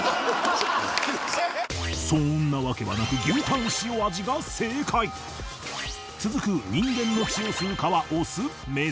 そんなわけはなく牛タン塩味が正解続く人間の血を吸う蚊はオス？